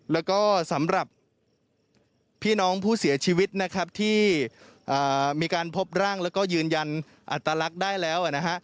แล้วก็สำหรับพี่น้องผู้เสียชีวิตนะครับที่มีการพบร่างแล้วก็ยืนยันอัตลักษณ์ได้แล้วนะฮะ